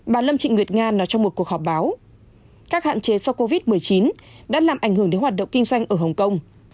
bà lâm trịnh nguyệt ngan nói trong một cuộc họp báo các hạn chế do covid một mươi chín đã làm ảnh hưởng đến hoạt động kinh doanh ở hồng kông